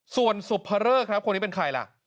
ส่วนสุภเริกครับคนนี้เป็นใครล่ะ